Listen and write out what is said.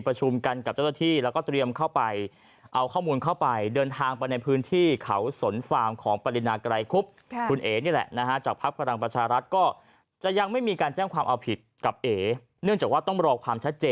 ประชุมกันกับเจ้าหน้าที่แล้วก็เตรียมเข้าไป